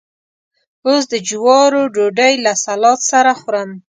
اوس د جوارو ډوډۍ له سلاد سره خورم.